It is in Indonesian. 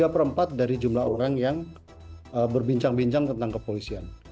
tiga per empat dari jumlah orang yang berbincang bincang tentang kepolisian